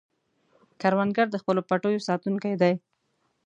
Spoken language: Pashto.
کروندګر د خپلو پټیو ساتونکی دی